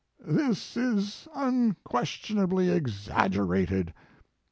"This is unquestionably exaggerated.